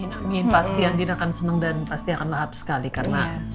mungkin pasti andin akan senang dan pasti akan lahap sekali karena